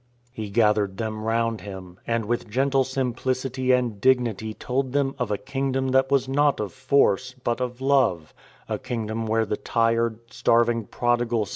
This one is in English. " He gathered them round Him, and with gentle sim pHcity and dignity told them of a Kingdom that was not of force, but of love — a Kingdom where the tired, starving prodigal